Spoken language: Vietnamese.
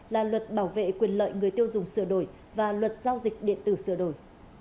là luật bảo vệ quyền lợi người tiêu dùng sửa đổi và luật giao dịch điện tử sửa đổi